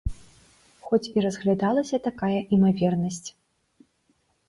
Хоць і разглядалася такая імавернасць.